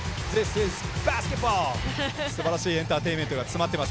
すばらしいエンターテインメントが詰まっています。